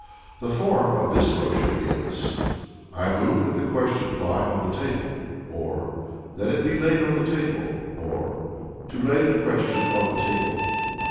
The Form of this motion is, "I move that the question lie on the table," or, "that it be laid on the table," or, "to lay the question on the table."